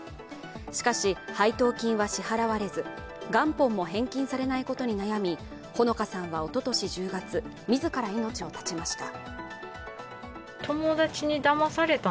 しかし、配当金は支払われず、元本も返金されないことに悩み、穂野香さんはおととし１０月自ら命を絶ちました。